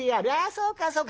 そうかそうか。